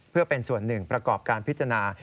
เพื่อเป็นส่วนหนึ่งประกอบการพิจารณา